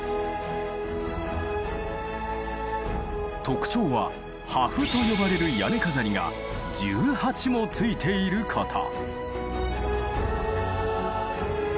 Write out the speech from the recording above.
特徴は「破風」と呼ばれる屋根飾りが１８も付いていること。